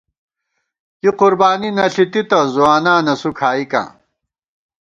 کی قربانی نہ ݪِی تِتہ ، ځوانان اسُو کھائیکاں